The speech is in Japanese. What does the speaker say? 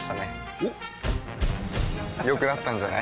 おっ良くなったんじゃない？